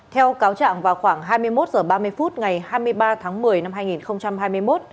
theo cáo trạng vào khoảng hai mươi một h ba mươi phút ngày hai mươi ba tháng một mươi năm hai nghìn hai mươi một